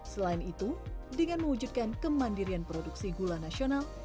selain itu dengan mewujudkan kemandirian produksi gula nasional